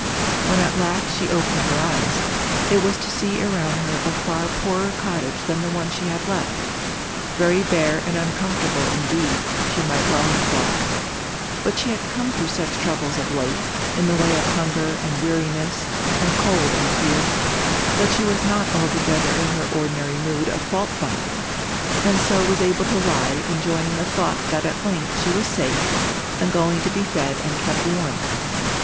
When at last she opened her eyes, it was to see around her a far poorer cottage than the one she had left—very bare and uncomfortable indeed, she might well have thought; but she had come through such troubles of late, in the way of hunger and weariness and cold and fear, that she was not altogether in her ordinary mood of fault finding, and so was able to lie enjoying the thought that at length she was safe, and going to be fed and kept warm.